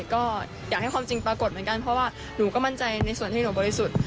ก็อยากให้ความจริงปรากฏเหมือนกันเพราะว่าหนูก็มั่นใจในส่วนที่หนูบริสุทธิ์